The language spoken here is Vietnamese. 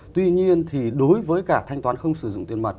tuy nhiên thì đối với cả thanh toán không sử dụng tiền mặt